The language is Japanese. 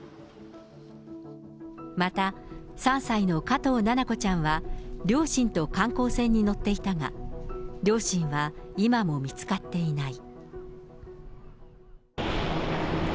また、３歳の加藤七菜子ちゃんは両親と観光船に乗っていたが、両親は今も見つかっていない。